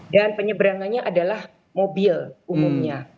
dan penyeberangannya adalah mobil umumnya